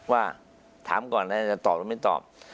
ว่าถามก่อนแล้วจะตอบหรือไม่ตอบ